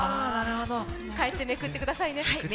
帰ってめくってくださいね。